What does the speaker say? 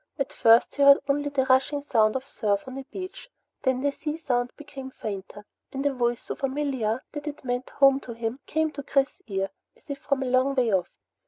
At first he heard only the rushing sound of surf on a beach. Then the sea sound became fainter and a voice so familiar that it meant home to him came to Chris's ear as if from a long way off.